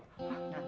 nah hukum bener pak